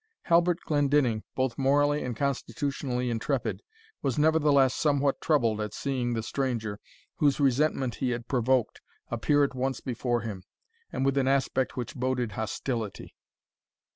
Halbert Glendinning, both morally and constitutionally intrepid, was nevertheless somewhat troubled at seeing the stranger, whose resentment he had provoked, appear at once before him, and with an aspect which boded hostility.